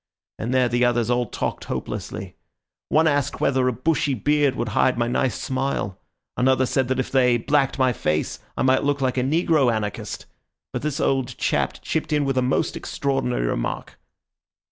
And there the others all talked hopelessly. One asked whether a bushy beard would hide my nice smile; another said that if they blacked my face I might look like a negro anarchist; but this old chap chipped in with a most extraordinary remark.